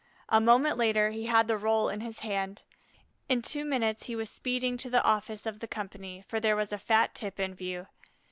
A moment later he had the roll in his hand; in two minutes he was speeding to the office of the Company, for there was a fat tip in view.